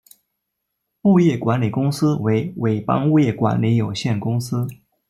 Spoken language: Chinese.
物业管理公司为伟邦物业管理有限公司。